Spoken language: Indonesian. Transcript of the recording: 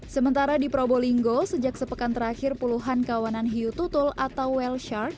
sementara di probolinggo sejak sepekan terakhir puluhan kawanan hiu tutul atau well shark